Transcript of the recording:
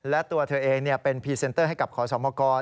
และตัวเธอเองเป็นพรีเซนเตอร์ให้กับขอสมกร